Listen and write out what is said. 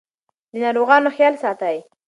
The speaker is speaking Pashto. د ناروغانو خیال ساتئ.